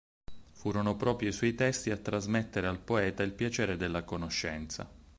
Furono proprio i suoi testi a trasmettere al poeta il piacere della conoscenza.